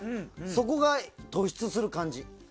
そこが突出する感じ。